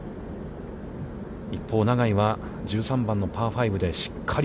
一方、永井は、１３番のパー５でしっかり。